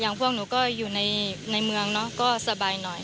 อย่างพวกหนูก็อยู่ในเมืองก็สบายหน่อย